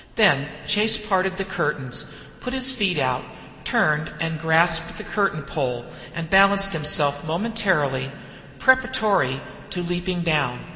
Then Chase parted the curtains, put his feet out, turned and grasped the curtain pole, and balanced himself momentarily, preparatory to leaping down.